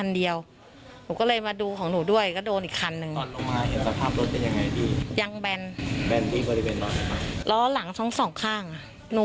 เดี๋ยวไปฟังกันหน่อยนะฮะ